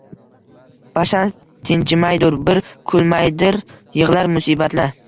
Bashar tinchimaydur, bir kulmaydir, yigʻlar musibat-la